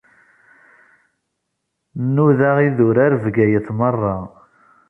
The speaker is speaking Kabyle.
Nnuda idurar Bgayet meṛṛa.